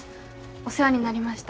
お世話になりました。